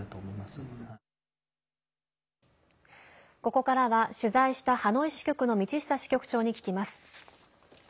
ここからは取材したハノイ支局の道下支局長に聞きます。